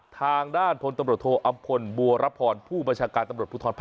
ทางด้านพตโถอัมพลบัวรพรผู้บัชการตพภภ๑